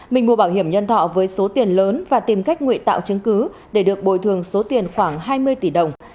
mình mua bảo hiểm nhân thọ với số tiền lớn và tìm cách nguyện tạo chứng cứ để được bồi thường số tiền khoảng hai mươi tỷ đồng